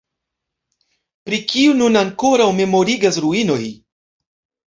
Pri kiu nun ankoraŭ memorigas ruinoj.